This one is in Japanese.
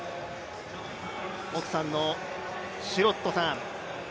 奥さんのシュロットさん。